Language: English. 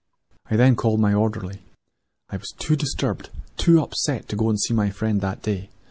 "I then called my orderly. I felt too perturbed, too moved, to go and see my friend on that day.